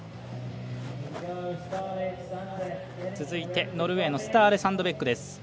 続いてノルウェーのスターレ・サンドベックです。